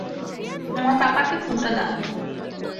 আমার পাপাকে ফোনটা দাও!